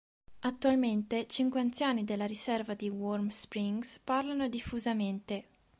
Attualmente, cinque anziani della Riserva di Warm Springs parlano diffusamente.